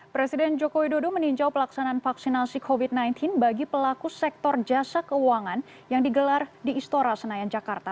presiden jokowi dodo meninjau pelaksanaan vaksinasi covid sembilan belas bagi pelaku sektor jasa keuangan yang digelar di istora senayan jakarta